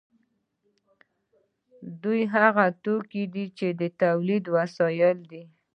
دویم هغه توکي دي چې د تولید وسایل دي.